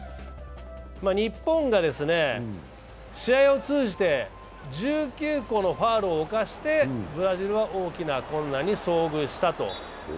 日本が試合を通じて１９個のファウルを犯してブラジルは大きな混乱に遭遇したと。